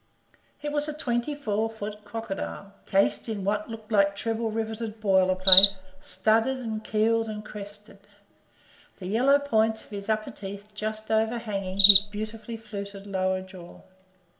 It was a twenty four foot crocodile, cased in what looked like treble riveted boiler plate, studded and keeled and crested; the yellow points of his upper teeth just overhanging his beautifully fluted lower jaw.